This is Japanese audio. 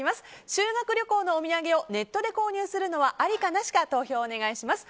修学旅行のお土産をネット購入するのはありかなしか投票をお願いします。